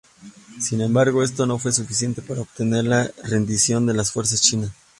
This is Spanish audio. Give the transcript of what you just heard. Sin embargo, esto no fue suficiente para obtener la rendición de las fuerzas chinas.